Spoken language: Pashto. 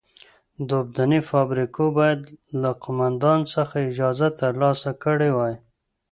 د اوبدنې فابریکو باید له قومندان څخه اجازه ترلاسه کړې وای.